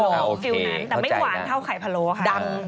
แต่ไม่หวานเท่าไข่พะโล่ค่ะ